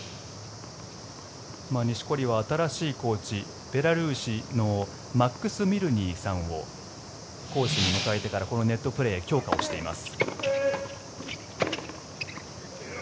錦織は新しいコーチベラルーシのマックス・ミルヌイさんをコーチに迎えてからこのネットプレー強化をしています。